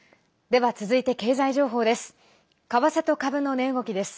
では続いて、経済情報です。